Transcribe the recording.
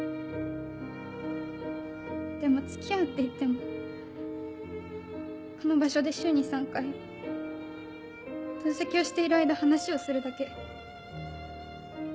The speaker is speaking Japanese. でも付き合うっていってもこの場所で週に３回透析をしている間話をするだけ。